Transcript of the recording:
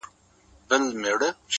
• چنداني چا سیالي نه ده کړې ,